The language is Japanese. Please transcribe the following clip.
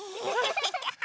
ハハハハ！